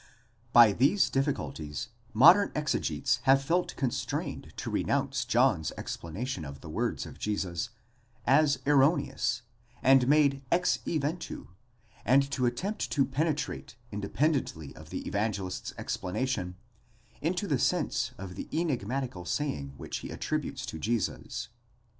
: τς ΒΥ these difficulties modern exegetists have felt constrained to renounce John's explanation of the words of Jesus, as erroneous and made ex eventu, and to attempt to penetrate, independently of the Evangelist's explanation, into the sense of the enigmatical saying which he attributes to Jesus.